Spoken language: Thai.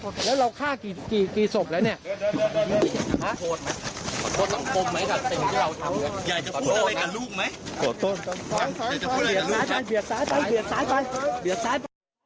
ต้องแล้วเราฆ่ากี่สมแล้วเนี่ย